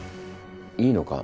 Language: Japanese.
いいのか？